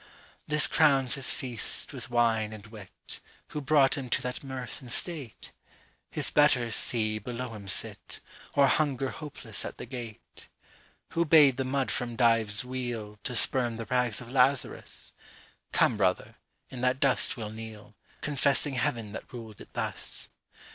This crowns his feast with wine and wit:Who brought him to that mirth and state? His betters, see, below him sit, Or hunger hopeless at the gate. Who bade the mud from Dives' wheelTo spurn the rags of Lazarus? Come, brother, in that dust we'll kneel, Confessing Heaven that ruled it thus.